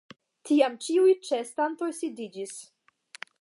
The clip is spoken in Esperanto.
Tiam ĉiuj ĉeestantoj sidiĝis.